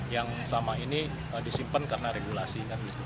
yang sama ini disimpan karena regulasi